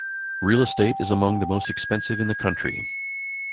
Real estate is among the most expensive in the country.